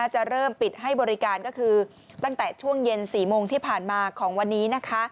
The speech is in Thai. จะเริ่มปิดให้บริการก็คือตั้งแต่ช่วงเย็น๔โมงที่ผ่านมาของวันนี้